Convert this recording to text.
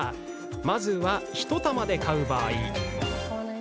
まずは、１玉で買う場合。